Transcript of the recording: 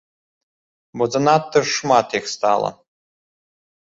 Бо занадта ж шмат іх стала.